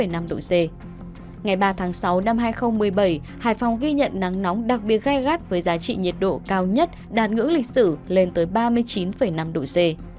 ngày ba tháng sáu năm hai nghìn một mươi bảy hải phòng ghi nhận nắng nóng đặc biệt gai gắt với giá trị nhiệt độ cao nhất đạt ngưỡng lịch sử lên tới ba mươi chín năm độ c